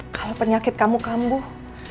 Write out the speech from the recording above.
kalau penyakit kamu kambuh